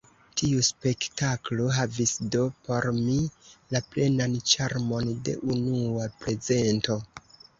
Tiu spektaklo havis do por mi la plenan ĉarmon de unua prezento.